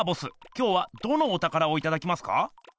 今日はどのおたからをいただきますか？